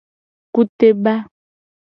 Kuteba.